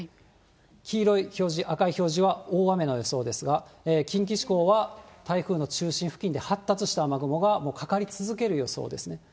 黄色い表示、赤い表示は大雨の予想ですが、近畿地方は台風の中心付近で、発達した雨雲がもうかかり続ける予想ですね。